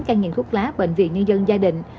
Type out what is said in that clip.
ca nghiện thuốc lá bệnh viện nhân dân gia định